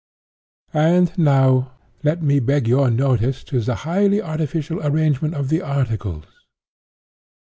And, now, let me beg your notice to the highly artificial arrangement of the articles.